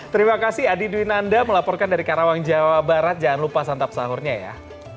terima kasih adi dwinanda melaporkan dari karawang jawa barat jangan lupa santap sahurnya ya